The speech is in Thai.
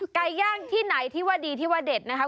ไก่ย่างที่ไหนที่ว่าดีที่ว่าเด็ดนะคะ